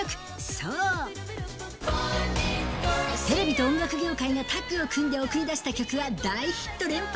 そう、テレビと音楽業界がタッグを組んで送り出した曲は、大ヒット連発。